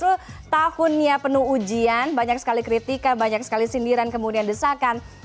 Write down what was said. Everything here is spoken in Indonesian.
karena justru tahunnya penuh ujian banyak sekali kritika banyak sekali sindiran kemudian desakan